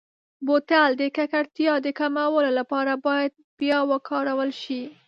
بوتل د ککړتیا د کمولو لپاره باید بیا وکارول شي.